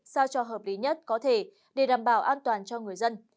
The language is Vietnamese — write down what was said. sao cho hợp lý nhất có thể để đảm bảo an toàn cho người dân